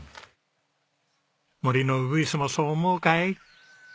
森のウグイスもそう思うかい？